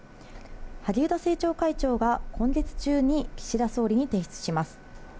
萩生田政調会長が今月中に岸田総理に提出します。